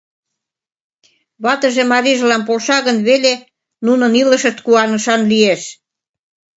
Ватыже марийжылан полша гын веле, нунын илышышт куанышан лиеш.